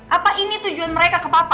apa ini tujuan mereka ke papua